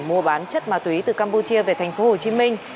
mua bán chất ma túy từ campuchia về thành phố hồ chí minh